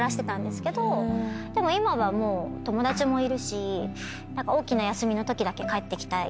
でも今はもう友達もいるし大きな休みのときだけ帰ってきたい。